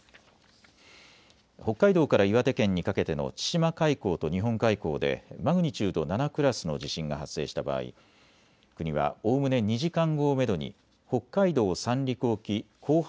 北海道から岩手県にかけての千島海溝と日本海溝でマグニチュード７クラスの地震が発生した場合、国はおおむね２時間後をめどに北海道・三陸沖後発